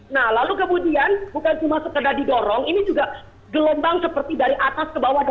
nah lalu kemudian bukan cuma sekedar didorong ini juga gelombang seperti dari atas ke bawah